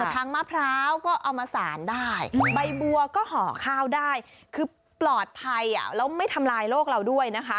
มะพร้าวก็เอามาสารได้ใบบัวก็ห่อข้าวได้คือปลอดภัยแล้วไม่ทำลายโลกเราด้วยนะคะ